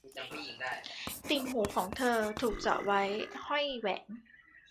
ติ่งหูของเธอถูกเจาะไว้ห้อยแหวน